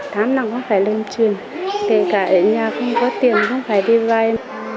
tám năm nó phải lên truyền kể cả ở nhà không có tiền không phải đi vay